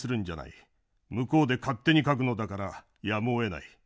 向こうで勝手に書くのだからやむをえない。